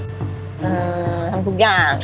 ทำทุกอย่าง